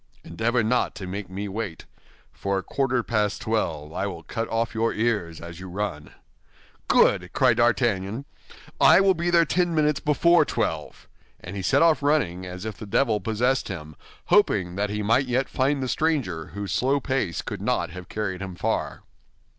"Endeavor not to make me wait; for at quarter past twelve I will cut off your ears as you run." "Good!" cried D'Artagnan, "I will be there ten minutes before twelve." And he set off running as if the devil possessed him, hoping that he might yet find the stranger, whose slow pace could not have carried him far.